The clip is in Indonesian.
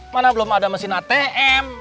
mana belum ada mesin atm